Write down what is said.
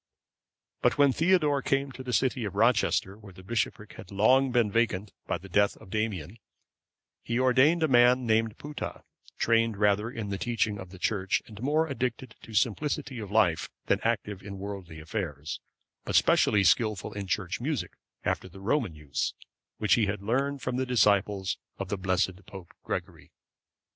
But when Theodore came to the city of Rochester, where the bishopric had been long vacant by the death of Damian,(540) he ordained a man named Putta,(541) trained rather in the teaching of the Church and more addicted to simplicity of life than active in worldly affairs, but specially skilful in Church music, after the Roman use, which he had learned from the disciples of the blessed Pope Gregory.